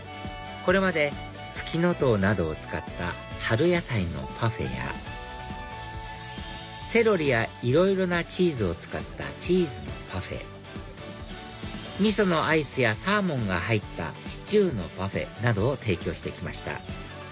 これまでフキノトウなどを使った春野菜のパフェやセロリやいろいろなチーズを使ったチーズのパフェ味噌のアイスやサーモンが入ったシチューのパフェなどを提供して来ました